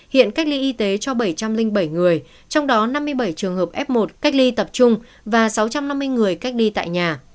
hiện cách ly y tế cho bảy trăm linh bảy người trong đó năm mươi bảy trường hợp f một cách ly tập trung và sáu trăm năm mươi người cách ly tại nhà